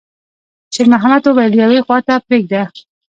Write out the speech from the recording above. شېرمحمد وويل: «يوې خواته پرېږده.»